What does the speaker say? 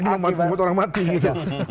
ini bukan orang mati gitu